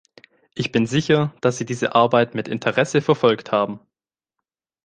Ich bin sicher, dass sie diese Arbeit mit Interesse verfolgt haben.